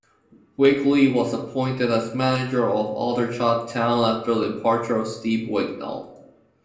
Wigley was appointed as manager of Aldershot Town after the departure of Steve Wignall.